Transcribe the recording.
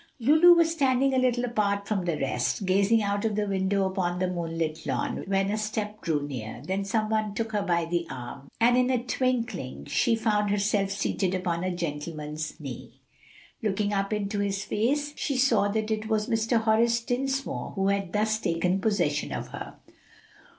Lulu was standing a little apart from the rest, gazing out of the window upon the moonlit lawn, when a step drew near; then some one took her by the arm, and in a twinkling she found herself seated upon a gentleman's knee. Looking up into his face, she saw that it was Mr. Horace Dinsmore who had thus taken possession of her.